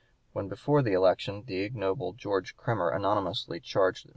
When before the election the ignoble George Kremer anonymously charged that (p.